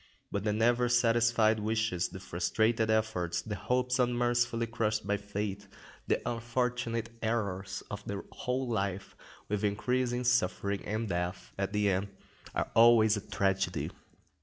But the never satisfied wishes, the frustrated efforts, the hopes unmercifully crushed by fate, the unfortunate errors of the whole life, with increasing suffering and death at the end, are always a tragedy.